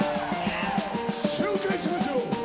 紹介しましょう。